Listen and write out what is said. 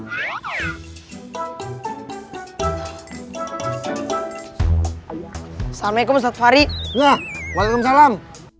assalamualaikum ustadz farih waalaikumsalam